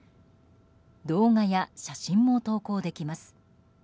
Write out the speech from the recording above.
動画や写真も投稿できます。